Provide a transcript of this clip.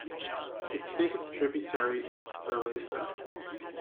Its biggest tributary is Aresa.